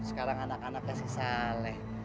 sekarang anak anaknya si saleh